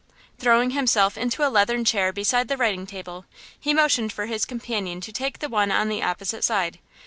Throwing himself into a leathern chair beside the writing table, he motioned for his companion to take the one on the opposite side.